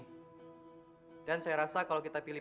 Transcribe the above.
bapak skoro juga lebih profesional dan lebih berpengalaman di bidang ini